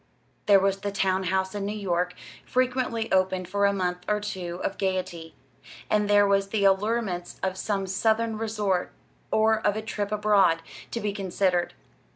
There was the town house in New York, frequently opened for a month or two of gaiety; and there were the allurements of some Southern resort, or of a trip abroad, to be considered.